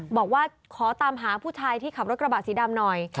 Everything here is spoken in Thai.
บอกว่าขอตามหาผู้ชายที่ขับรถกระบะสีดำหน่อย